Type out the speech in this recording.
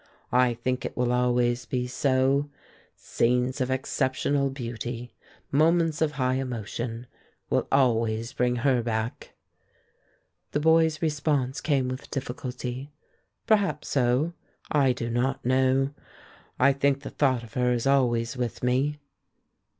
I think it will always be so scenes of exceptional beauty, moments of high emotion, will always bring her back." The boy's response came with difficulty: "Perhaps so. I do not know. I think the thought of her is always with me."